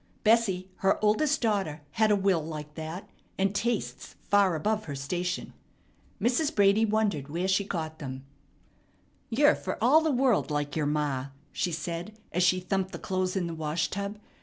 Bessie, her oldest daughter, had a will like that, and tastes far above her station. Mrs. Brady wondered where she got them. "You're fer all the world like yer ma," she said as she thumped the clothes in the wash tub.